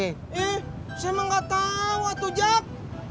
eh saya mah gak tau atu jak